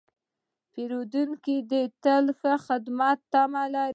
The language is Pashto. پیرودونکی تل د ښه خدمت تمه لري.